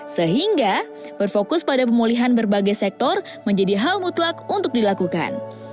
sehingga berfokus pada pemulihan berbagai sektor menjadi hal mutlak untuk dilakukan